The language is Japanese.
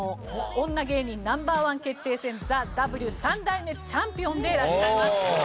女芸人Ｎｏ．１決定戦ＴＨＥＷ３代目チャンピオンでいらっしゃいます。